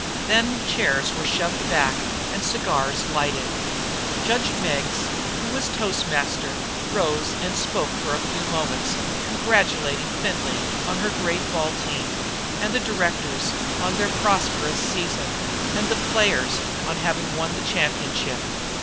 Then chairs were shoved back and cigars lighted. Judge Meggs, who was toastmaster, rose and spoke for a few moments, congratulating Findlay on her great ball team, and the directors on their prosperous season, and the players on having won the championship.